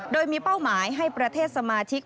โดยมีเป้าหมายให้ประเทศสมาชิก